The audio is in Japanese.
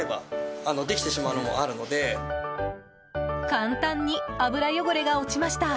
簡単に油汚れが落ちました。